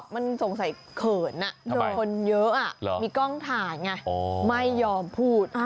ไม่แยอมพูด